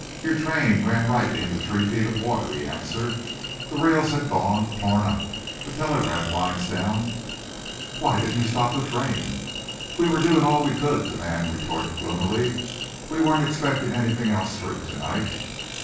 "Your train ran right into three feet of water," he answered. "The rails had gone torn up. The telegraph line's down." "Why didn't you stop the train?" "We were doing all we could," the man retorted gloomily. "We weren't expecting anything else through to night.